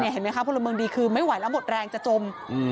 เห็นไหมคะพลเมืองดีคือไม่ไหวแล้วหมดแรงจะจม